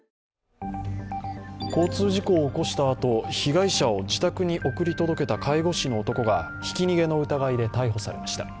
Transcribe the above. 交通事故を起こしたあと、被害者を自宅に送り届けた介護士の男が、ひき逃げの疑いで逮捕されました。